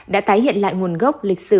đã tái hiện lại nguồn gốc lịch sử